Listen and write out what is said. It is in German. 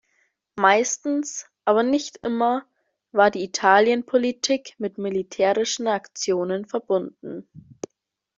Meistens, aber nicht immer, war die Italienpolitik mit militärischen Aktionen verbunden.